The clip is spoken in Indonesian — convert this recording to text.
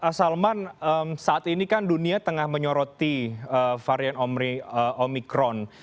pak salman saat ini kan dunia tengah menyoroti varian omikron